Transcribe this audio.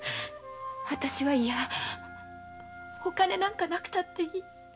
私はいやお金なんかなくたっていい。